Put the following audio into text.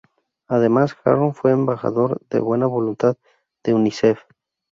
Además, Harron fue Embajador de buena voluntad de Unicef.